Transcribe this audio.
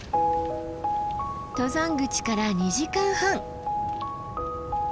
登山口から２時間半。